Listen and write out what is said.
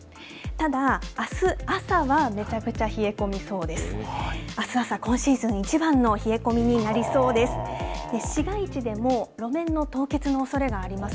ただ、あす朝はめちゃくちゃ冷え込みそうです。